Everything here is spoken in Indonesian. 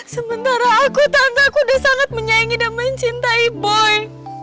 sementara aku tante kuda sangat menyayangi dan mencintai boy